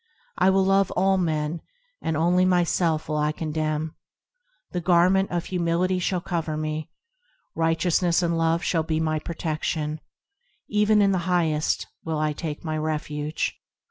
I will love all men, and only myself will I condemn; The Garment of Humility shall cover me; Righteousness and Love shall be my protection; Even in the Highest will I take my refuge.